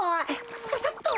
ささっと。